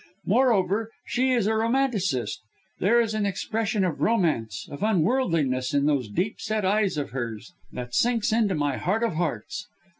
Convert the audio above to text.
Moreover, she is a romanticist. There is an expression of romance, of unworldliness, in those deep set eyes of hers, that sinks into my heart of hearts.